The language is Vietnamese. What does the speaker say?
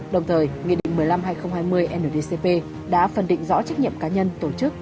đồng thời nghị định một mươi năm hai nghìn hai mươi ndcp đã phân định rõ trách nhiệm cá nhân tổ chức